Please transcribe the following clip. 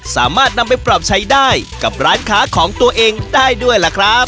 สามารถนำไปปรับใช้ได้กับร้านค้าของตัวเองได้ด้วยล่ะครับ